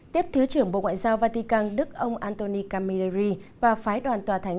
tiếp thứ trưởng bộ ngoại giao vatican đức ông antony camilleri và phái đoàn tòa thánh